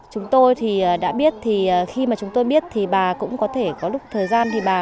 chúng tôi thì đã biết thì khi mà chúng tôi biết thì bà cũng có thể có lúc thời gian thì bà